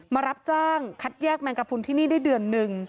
มารับจ้างคัดแยกแมงกระพุนที่นี่ได้เดือนหนึ่ง